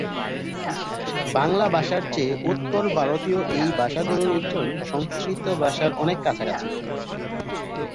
বাংলা ভাষার চেয়ে উত্তরভারতীয় এই ভাষাগুলোর উচ্চারণ সংস্কৃত ভাষার অনেক কাছাকাছি।